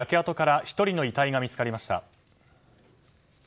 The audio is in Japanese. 住宅１棟が全焼し、焼け跡から１人の遺体が見つかりました。